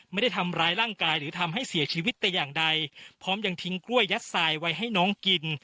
ไม่ได้ทำร้ายร่างกายหรือทำให้เสียชีวิตแต่อย่างใดพร้อมยังทิ้งกล้วยยัดทรายไว้ให้น้องกิน